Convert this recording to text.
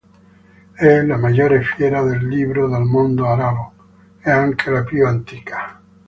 È la maggiore fiera del libro del mondo arabo, e anche la più antica.